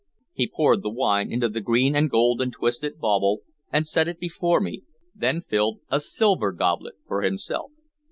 He poured the wine into the green and gold and twisted bauble and set it before me, then filled a silver goblet for himself.